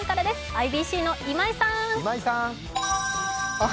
ＩＢＣの今井さん。